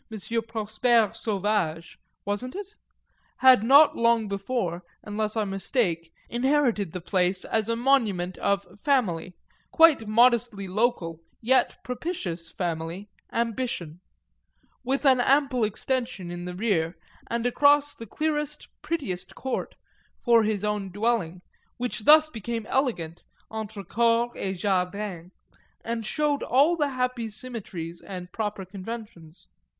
Prosper Sauvage wasn't it? had not long before, unless I mistake, inherited the place as a monument of "family," quite modestly local yet propitious family, ambition; with an ample extension in the rear, and across the clearest prettiest court, for his own dwelling, which thus became elegant, entre cour et jardin, and showed all the happy symmetries and proper conventions.